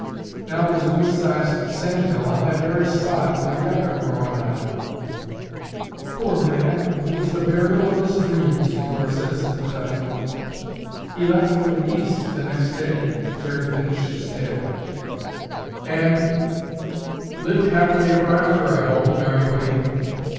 Now there's a good sized sand hill on that very spot with yucca growing on it." "Poor man, it was the burial of his dreams," Dora said sympathetically. "He left for the East the next day," Jerry finished his tale, "and—" "Lived happily ever after, I hope," Mary put in.